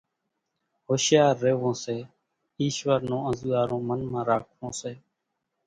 ھوشيار ريوون سي ايشور نون انزوئارون منَ مان راکوون سي